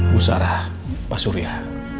bu sarah pak surya